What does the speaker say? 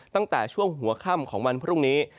ตั้งแต่ช่วงหัวค่ำของวันพรุ่งนี้